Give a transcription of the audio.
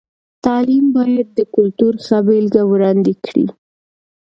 تعلیم باید د کلتور ښه بېلګه وړاندې کړي.